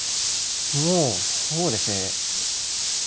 もうそうですね。